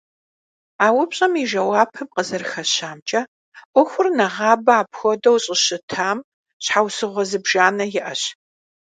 А упщӀэм и жэуапым къызэрыхэщамкӀэ, Ӏуэхур нэгъабэ апхуэдэу щӀыщытам щхьэусыгъуэ зыбжанэ иӀэщ.